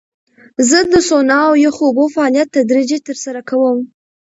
زه د سونا او یخو اوبو فعالیت تدریجي ترسره کوم.